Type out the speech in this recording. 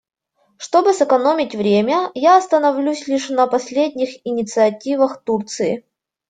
Чтобы сэкономить время, я остановлюсь лишь на последних инициативах Турции.